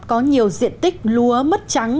có nhiều diện tích lúa mất trắng